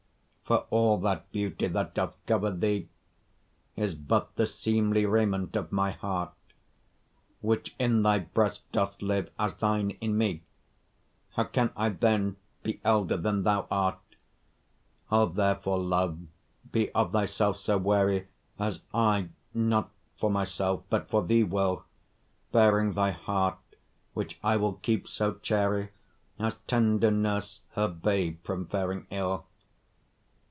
For all that beauty that doth cover thee, Is but the seemly raiment of my heart, Which in thy breast doth live, as thine in me: How can I then be elder than thou art? O! therefore love, be of thyself so wary As I, not for myself, but for thee will; Bearing thy heart, which I will keep so chary As tender nurse her babe from faring ill.